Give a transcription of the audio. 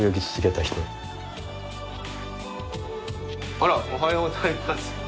あらおはようございます